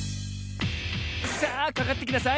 さあかかってきなさい！